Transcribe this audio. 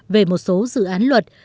về một số dự án luật